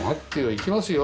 行きますよ。